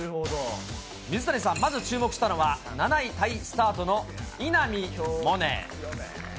水谷さん、まず注目したのは、７位タイスタートの稲見萌寧。